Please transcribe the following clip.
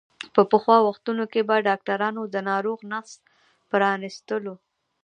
په پخوا وختونو کې به ډاکترانو د ناروغ نس پرانستلو.